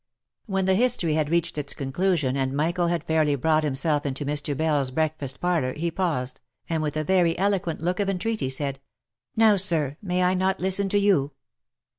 When the history had reached its conclusion, and Michael had fairly brought himself into Mr. Bell's breakfast parlour, he paused, and with a very eloquent look of entreaty said, " Now, sir, may I not listen to you